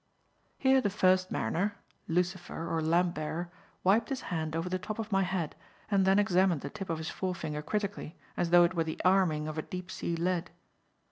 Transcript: Here the first mariner Lucifer, or lamp bearer wiped his hand over the top of my head and then examined the tip of his forefinger critically as though it were the arming of a deep sea lead.